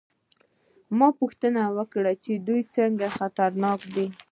ما پوښتنه وکړه چې دوی څنګه خطرناک دي